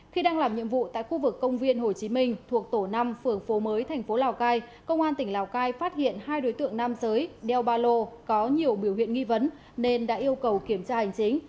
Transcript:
khi đang làm nhiệm vụ tại khu vực công viên hồ chí minh thuộc tổ năm phường phố mới thành phố lào cai công an tỉnh lào cai phát hiện hai đối tượng nam giới đeo ba lô có nhiều biểu hiện nghi vấn nên đã yêu cầu kiểm tra hành chính